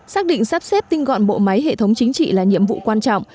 xác định sắp xếp tinh gọn bộ máy hệ thống chính trị là nhiệm vụ quan trọng